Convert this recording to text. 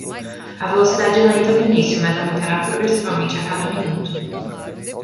A velocidade é lenta no início, mas aumentará progressivamente a cada minuto.